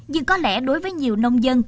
nhưng có lẽ đối với nhiều nông dân